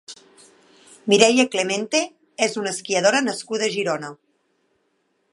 Mireia Clemente és una esquiadora nascuda a Girona.